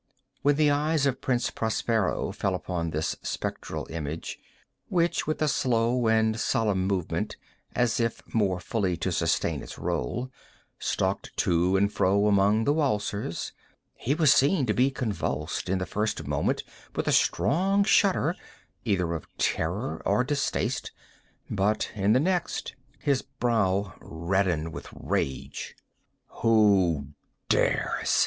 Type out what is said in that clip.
When the eyes of Prince Prospero fell upon this spectral image (which with a slow and solemn movement, as if more fully to sustain its role, stalked to and fro among the waltzers) he was seen to be convulsed, in the first moment with a strong shudder either of terror or distaste; but, in the next, his brow reddened with rage. "Who dares?"